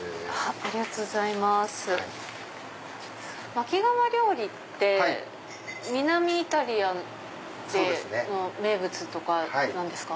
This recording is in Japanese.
薪窯料理って南イタリアでの名物とかなんですか？